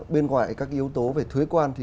bên ngoài các yếu tố về thuế quan thì